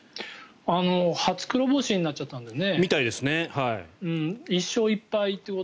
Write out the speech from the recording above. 初黒星になっちゃったんだよね。